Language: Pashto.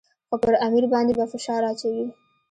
خو پر امیر باندې به فشار اچوي.